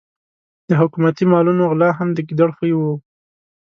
د حکومتي مالونو غلا هم د ګیدړ خوی وو.